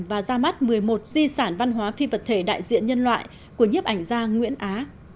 và ra mắt một mươi một di sản văn hóa phi vật thể đại diện nhân loại của nhiếp ảnh gia nguyễn á